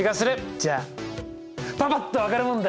じゃあパパっと分かる問題。